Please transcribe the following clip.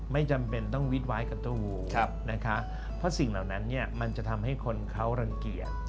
ไม่จำเป็นต้องวิดไว้กับตูนะคะเพราะสิ่งเหล่านั้นเนี่ยมันจะทำให้คนเขารังเกียจ